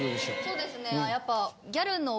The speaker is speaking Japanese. そうですねやっぱ。